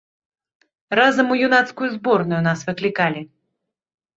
Разам у юнацкую зборную нас выклікалі.